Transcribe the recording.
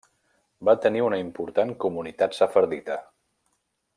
Va tenir una important comunitat sefardita.